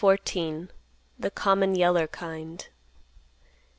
THE COMMON YELLER KIND.